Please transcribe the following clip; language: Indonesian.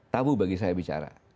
tabu bagi saya bicara